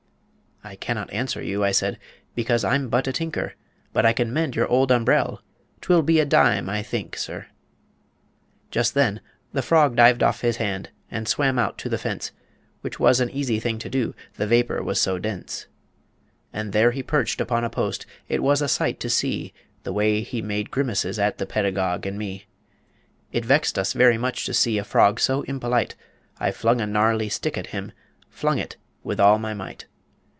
"'I can not answer you,' I said, 'Because I'm but a tinker. But I can mend your old umbrel'; 'Twill be a dime, I think, sir.' "Just then the frog dived off his hand And swam out to the fence, Which was an easy thing to do The vapor was so dense. "And there he perched upon a post; It was a sight to see The way he made grimaces at The Pedagogue and me. "It vexed us very much to see A frog so impolite I flung a gnarly stick at him Flung it with all my might.